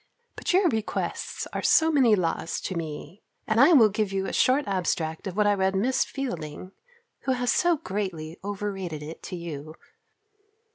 But your requests are so many laws to me; and I will give you a short abstract of what I read Miss Fielding, who has so greatly overrated it to you.